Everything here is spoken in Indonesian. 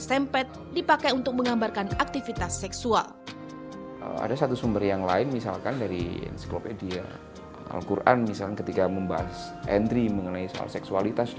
saya langsung jengkit pemberiku